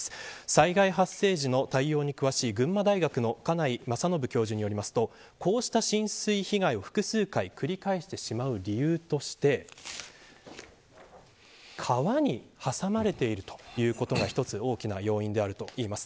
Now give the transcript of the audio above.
災害発生時の対応に詳しい群馬大学の金井昌信教授によりますとこうした浸水被害を、複数回繰り返してしまう理由として川に挟まれているということが一つ大きな要因だといいます。